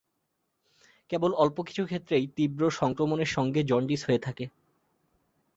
কেবল অল্প কিছু ক্ষেত্রেই তীব্র সংক্রমণের সঙ্গে জন্ডিস হয়ে থাকে।